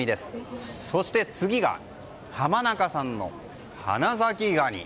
そして次が浜中産のハナサキガニ。